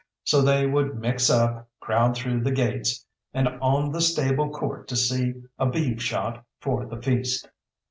So they would mix up, crowd through the gates, and on the stable court to see a beef shot for the feast.